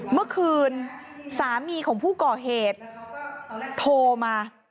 เมื่อคืนสามีของผู้ก่อเหตุโทรมา